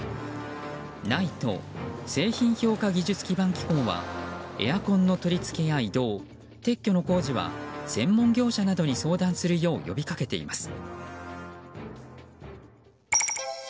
ＮＩＴＥ・製品評価技術基盤機構はエアコンの取り付けや移動撤去の工事は専門業者などに相談するよう呼びかけています。